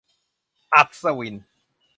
- อัศวิน